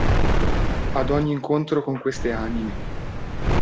Ad ogni incontro con queste anime.